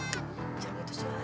serem amat itu ya